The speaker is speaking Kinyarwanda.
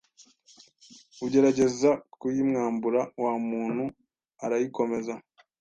ugerageza kuyimwambura wa muntu arayikomeza